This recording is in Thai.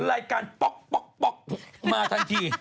รายการป๊อกมาทันที